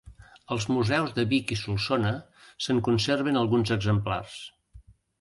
Als museus de Vic i Solsona se'n conserven alguns exemplars.